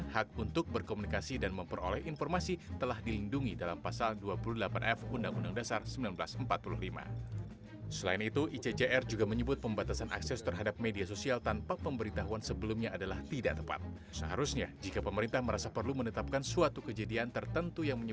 jadi untuk sementara itu yang kita lakukan